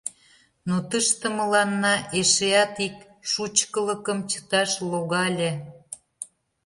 Но тыште мыланна эшеат ик шучкылыкым чыташ логале.